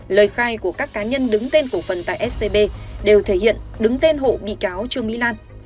lời khai của các cá nhân đứng tên cổ phần tại scb đều thể hiện đứng tên hộ bị cáo trương mỹ lan